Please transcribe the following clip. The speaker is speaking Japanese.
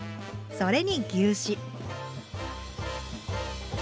それに牛脂。